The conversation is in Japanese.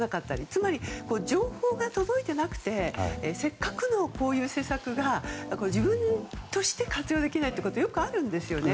つまり、情報が届いてなくてせっかくのこういう施策が自分としては活用できないってことがよくあるんですね。